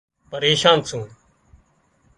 پريشان سُون